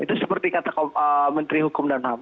itu seperti kata menteri hukum dan ham